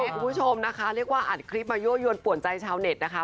คุณผู้ชมนะคะเรียกว่าอัดคลิปมายั่วยวนป่วนใจชาวเน็ตนะคะ